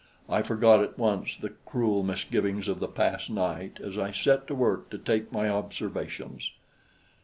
I forgot at once the cruel misgivings of the past night as I set to work to take my observations.